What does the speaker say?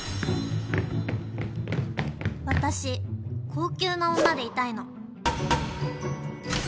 私高級な女でいたいの。